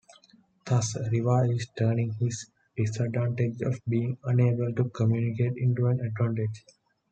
Thus, Riva is turning his disadvantage of being unable to communicate into an advantage.